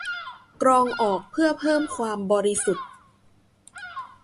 กรองออกเพื่อเพิ่มความบริสุทธิ์